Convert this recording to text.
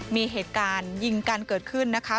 มีเหตุการณ์ยิงกันเกิดขึ้นนะคะ